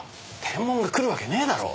テンモンが来るわけねえだろ。